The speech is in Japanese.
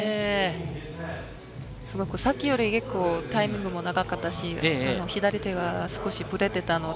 さっきより結構タイミングも長かったし、左手が少しブレてたので。